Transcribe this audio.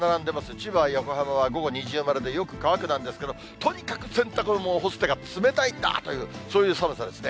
千葉や横浜は午後、二重丸でよく乾くなんですけれども、とにかく洗濯物干す手が冷たいなという、そういう寒さですね。